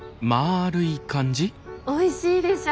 おいしいでしょ？